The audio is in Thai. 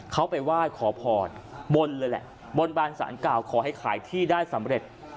เขาไปไหว้ขอพรบนเลยแหละบนบานสารกล่าวขอให้ขายที่ได้สำเร็จ